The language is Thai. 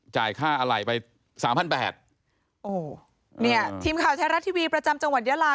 จ่ายค่าอะไรไปสามพันบาทโอ้เนี่ยทีมข่าวไทยรัฐทีวีประจำจังหวัดยาลา